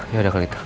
yaudah kalau itu